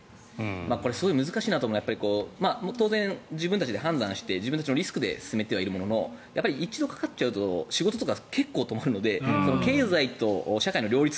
これすごい難しいなと思うのは当然、自分たちで判断して自分たちのリスクで進めてはいるものの１度かかっちゃうと仕事とか結構止まるので経済と社会の両立